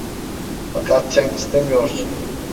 Fakat sen istemiyorsun…